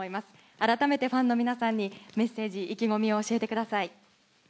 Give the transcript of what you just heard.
改めてファンの皆さんにメッセージ、意気込みを教えてください。